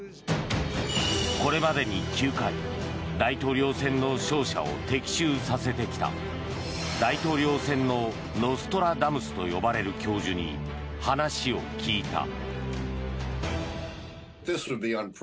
これまでに９回大統領選の勝者を的中させてきた大統領選のノストラダムスと呼ばれる教授に話を聞いた。